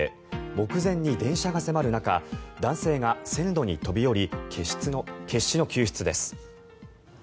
目前に電車が迫る中男性が線路に飛び降り決死の救出です。